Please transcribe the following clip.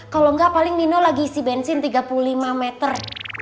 kalau enggak paling nino lagi isi bensin tiga puluh lima meter